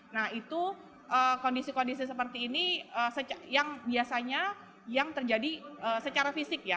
nah itu kondisi kondisi seperti ini yang biasanya yang terjadi secara fisik ya